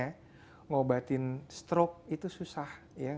mengobatin stroke itu susah